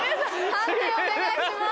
判定お願いします。